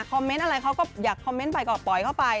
เมนต์อะไรเขาก็อยากคอมเมนต์ไปก็ปล่อยเข้าไป